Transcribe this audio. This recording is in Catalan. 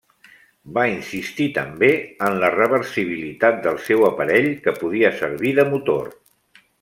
Va insistir també en la reversibilitat del seu aparell que podia servir de motor.